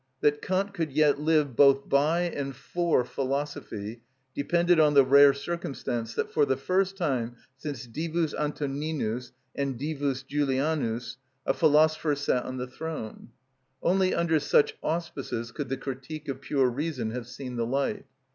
That Kant could yet live both by and for philosophy depended on the rare circumstance that, for the first time since Divus Antoninus and Divus Julianus, a philosopher sat on the throne. Only under such auspices could the "Critique of Pure Reason" have seen the light.